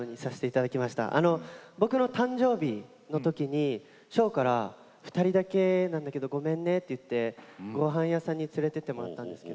僕の誕生日に紫耀から２人だけなんだけどごめんねと言われてごはん屋さんに連れて行ってもらったんです。